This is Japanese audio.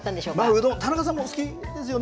うどん田中さんも好きですよね。